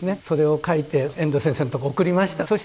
それを書いて遠藤先生のとこ送りました。